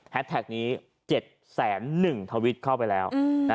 แฮสแท็กนี้๗แสนหนึ่งทวิตเข้าไปแล้ว